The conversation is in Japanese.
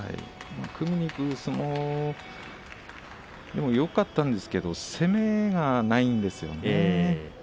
組みにいく相撲でもよかったんですけれど攻めがないんですよね。